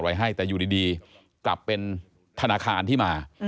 ให้แต่อยู่ดีกลับเป็นธนาคารที่มา